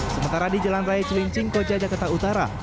sementara di jalan raya celincing koja jakarta utara